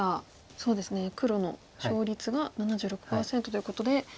そうですね黒の勝率が７６％ということで。